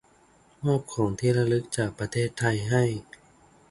มอบของที่ระลึกจากประเทศไทยให้